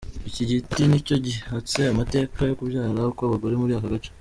Iki giti nicyo gihatse amateka yo kubyara kw’abagore muri aka gace.